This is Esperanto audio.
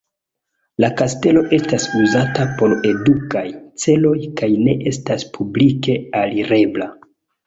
La kastelo estas uzata por edukaj celoj kaj ne estas publike alirebla.